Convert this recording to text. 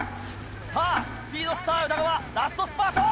さぁスピードスター宇田川ラストスパート！